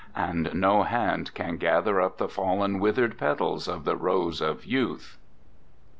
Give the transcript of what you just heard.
And no hand can gather up the fallen withered petals of the rose of youth.